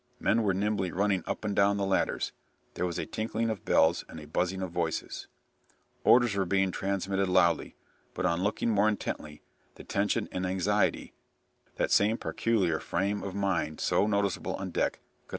Men were nimbly running up and down the ladders; there was a tinkling of bells and a buzzing of voices. Orders were being transmitted loudly, but on looking more intently, the tension and anxiety that same peculiar frame of mind so noticeable on deck could also be observed."